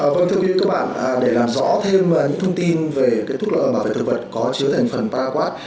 vâng thưa quý vị các bạn để làm rõ thêm những thông tin về thuốc bảo vệ thực vật có chứa thành phần prat